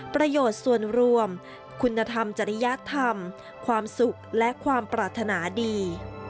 ประโยชน์ส่วนรวมคุณธรรมจริยธรรมความสุขและความปรารถนาดี